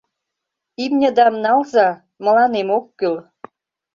Имньыдам налза, мыланем ок кӱл...